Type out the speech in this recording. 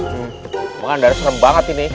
memang andara serem banget ini